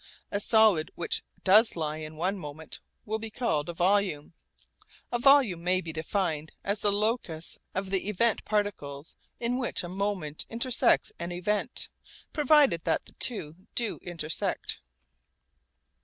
A solid which does lie in one moment will be called a volume. A volume may be defined as the locus of the event particles in which a moment intersects an event, provided that the two do intersect.